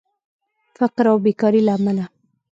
فقر او بیکارې له امله